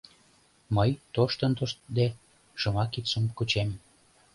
Мый, тоштын-тоштде, шыма кидшым кучем.